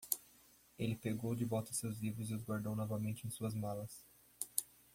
Ele pegou de volta seus livros e os guardou novamente em suas malas.